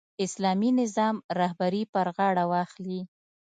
اسلامي نظام رهبري پر غاړه واخلي.